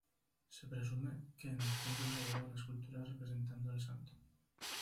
Se presume que en el centro se hallaba una escultura representando al santo.